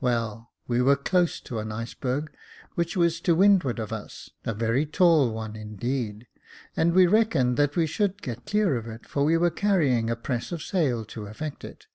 Well, we were close to an iceberg, which was to Jacob Faithful 297 windward of us, a very tall one, indeed, and we reckoned that we should get clear of it, for we were carrying a press of sail to effect it.